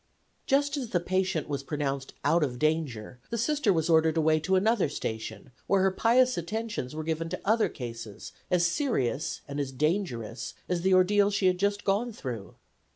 Just as the patient was pronounced out of danger the Sister was ordered away to another station, where her pious attentions were given to other cases as serious and as dangerous as the ordeal she had just gone through.